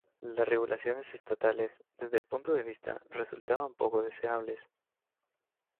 Las regulaciones estatales, desde este punto de vista, resultaban poco deseables.